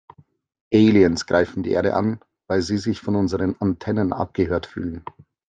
Aliens greifen die Erde an, weil sie sich von unseren Antennen abgehört fühlen.